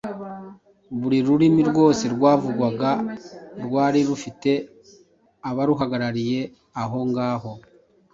Buri rurimi rwose rwavugwaga rwari rufite abaruhagarariye aho ngaho.